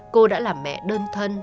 cô đã làm mẹ đơn thân